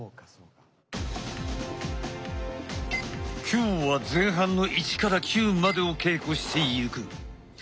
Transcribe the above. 今日は前半の１９までを稽古していく。